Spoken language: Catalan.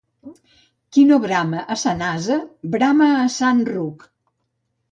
Qui no brama a sant ase, brama a sant ruc.